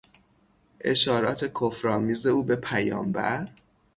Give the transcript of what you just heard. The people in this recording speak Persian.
اشارات کفر آمیز او به پیامبر